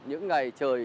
những ngày trời